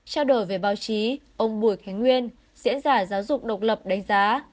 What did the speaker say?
trao đổi về báo chí ông bùi khánh nguyên diễn giả giáo dục độc lập đánh giá